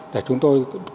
để chúng tôi phát triển